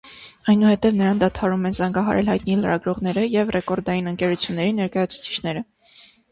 Այնուհետև նրան դադարում են զանգահարել հայտնի լրագրողները և ռեկորդային ընկերությունների ներկայացուցիչները։